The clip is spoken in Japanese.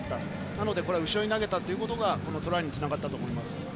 なので後ろ投げたってことがトライにつながったと思います。